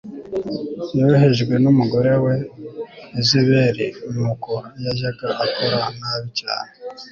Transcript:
yohejwe numugore we Yezebeli Nuko yajyaga akora nabi cyane